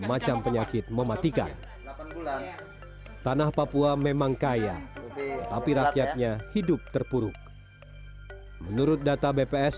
macam penyakit mematikan tanah papua memang kaya tapi rakyatnya hidup terpuruk menurut data bps